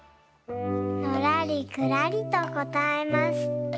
のらりくらりとこたえます。